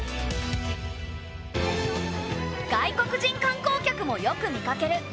外国人観光客もよく見かける。